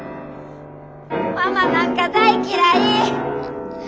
ママなんか大嫌い！